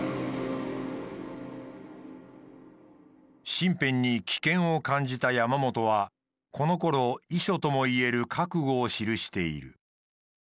身辺に危険を感じた山本はこのころ遺書ともいえる覚悟を記している。